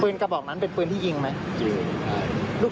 พี่อุ๋ยพ่อจะบอกว่าพ่อจะรับผิดแทนลูก